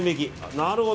なるほど。